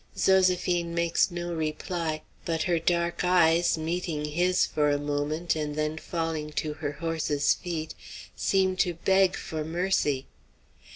Zoséphine makes no reply; but her dark eyes meeting his for a moment, and then falling to her horse's feet, seem to beg for mercy.